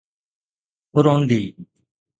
Burundi